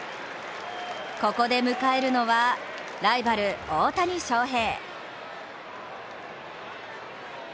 ここで迎えるのは、ライバル・大谷翔平。